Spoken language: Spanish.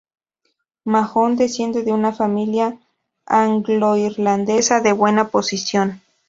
Mahon desciende de una familia angloirlandesa de buena posición.